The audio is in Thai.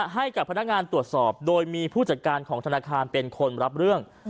ให้กับพนักงานตรวจสอบโดยมีผู้จัดการของธนาคารเป็นคนรับเรื่อง